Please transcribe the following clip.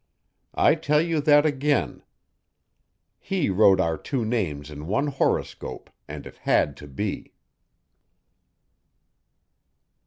I tell you that again. He wrote our two names in one horoscope and it had to be."